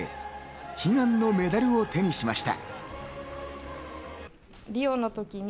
悲願のメダルを手にしました。